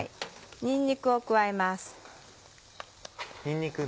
にんにくを加えます。